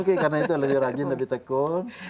oke karena itu lebih rajin lebih tekul